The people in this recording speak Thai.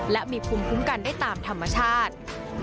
และมีภูมิคุ้มกันได้ตามธรรมชาติ